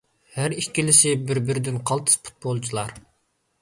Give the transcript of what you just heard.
ھەر ئىككىلىسى بىر-بىرىدىن قالتىس پۇتبولچىلار.